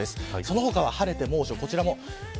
その他は晴れて猛暑。